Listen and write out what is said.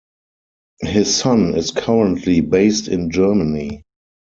His son is currently based in Germany.